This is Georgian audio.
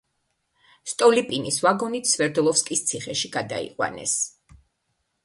სტოლიპინის ვაგონით სვერდლოვსკის ციხეში გადაიყვანეს.